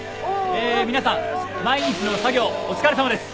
え皆さん毎日の作業お疲れさまです。